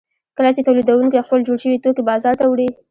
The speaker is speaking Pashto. کله چې تولیدونکي خپل جوړ شوي توکي بازار ته وړي